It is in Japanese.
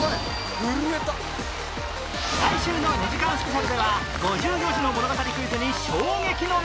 来週の２時間スペシャルでは５４字の物語クイズに